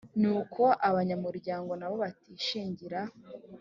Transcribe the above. n uko abanyamuryango nabo batishingira